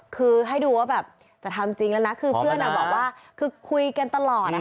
คือให้ดูว่าแบบจะทำจริงแล้วนะคือเพื่อนบอกว่าคือคุยกันตลอด